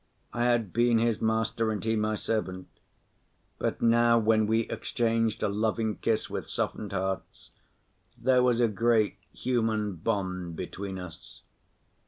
I had been his master and he my servant, but now when we exchanged a loving kiss with softened hearts, there was a great human bond between us.